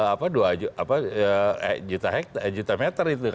apa dua juta meter itu